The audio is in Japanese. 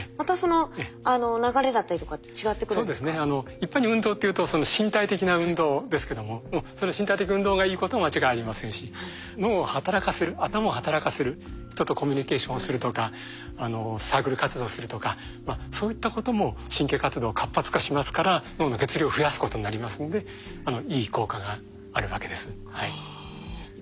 一般に運動というとその身体的な運動ですけどもその身体的運動がいいことは間違いありませんし脳を働かせる頭を働かせる人とコミュニケーションをするとかサークル活動するとかそういったことも神経活動活発化しますから脳の血流を増やすことになりますのでいい効果があるわけです。